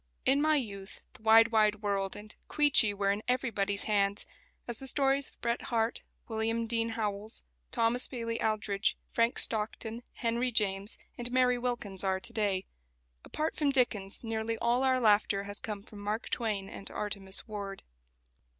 In my youth "The Wide, Wide World" and "Queechy" were in everybody's hands; as the stories of Bret Harte, William Dean Howells, Thomas Bailey Aldrich, Frank Stockton, Henry James, and Mary Wilkins are to day. Apart from Dickens, nearly all our laughter has come from Mark Twain and Artemus Ward.